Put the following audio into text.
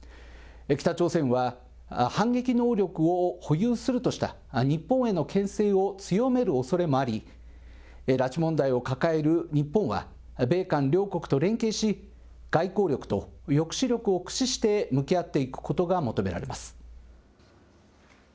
北朝鮮は反撃能力を保有するとした日本へのけん制を強めるおそれもあり、拉致問題を抱える日本は、米韓両国と連携し、外交力と抑止力を駆使して向き合っていくことが求められます。